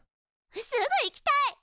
すぐ行きたい！